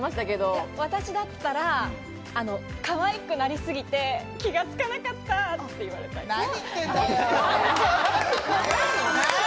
私だったら、かわいくなりすぎて、気がつかなかったって言われたい。